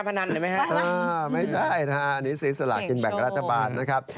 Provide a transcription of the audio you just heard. เปล่าไม่ใช่ฮะนี่ซื้อสลักกินแบ่งรัฐบาลนะครับ